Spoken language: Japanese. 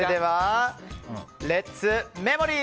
レッツメモリー！